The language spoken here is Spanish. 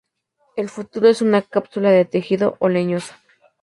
El fruto es una cápsula de tejido o leñosa.